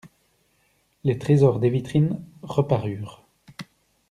Les trésors des vitrines reparurent.